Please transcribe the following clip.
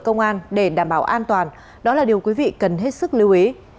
lực lượng công an để đảm bảo an toàn đó là điều quý vị cần hết sức lưu ý